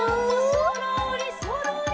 「そろーりそろり」